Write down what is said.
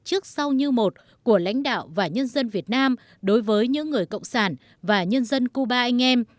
trước sau như một của lãnh đạo và nhân dân việt nam đối với những người cộng sản và nhân dân cuba anh em